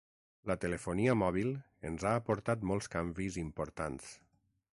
La telefonia mòbil ens ha aportat molts canvis importants.